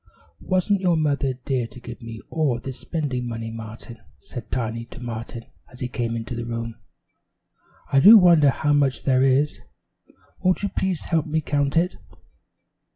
"Wasn't your mother dear to give me all this spending money, Martin?" said Tiny to Martin as he came into the room. "I do wonder how much there is; won't you please help me count it?"